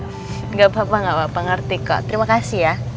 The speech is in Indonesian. tidak apa apa nggak apa apa ngerti kok terima kasih ya